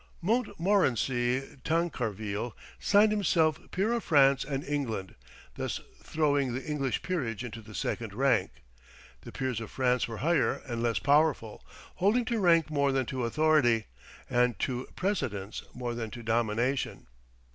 Montmorency Tancarville signed himself peer of France and England; thus throwing the English peerage into the second rank. The peers of France were higher and less powerful, holding to rank more than to authority, and to precedence more than to domination.